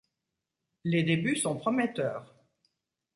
Les débuts sont prometteurs.